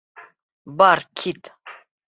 Бар кит.